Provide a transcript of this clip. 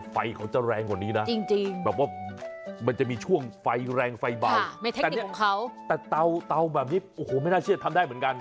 ไฟเขาจะแรงกว่านี้นะจริงแบบว่ามันจะมีช่วงไฟแรงไฟเบาแต่เตาแบบนี้โอ้โหไม่น่าเชื่อทำได้เหมือนกัน